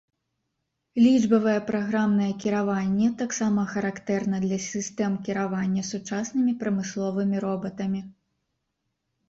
Лічбавае праграмнае кіраванне таксама характэрна для сістэм кіравання сучаснымі прамысловымі робатамі.